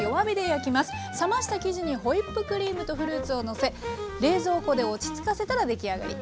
冷ました生地にホイップクリームとフルーツをのせ冷蔵庫で落ち着かせたら出来上がり。